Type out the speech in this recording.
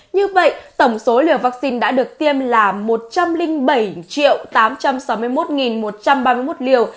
như vậy tổng số liều vaccine đã được tiêm là một trăm linh bảy tám trăm sáu mươi một một trăm ba mươi một liều